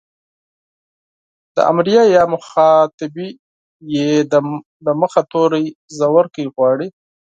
د امريه يا مخاطبې ئ د مخه توری زورکی غواړي.